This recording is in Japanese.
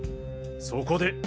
そこで。